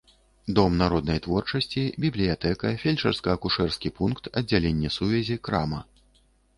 Дом народнай творчасці, бібліятэка, фельчарска-акушэрскі пункт, аддзяленне сувязі, крама.